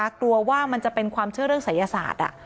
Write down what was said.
กลัวว่ามันจะเป็นความเชื่อเรื่องศัยศาสตร์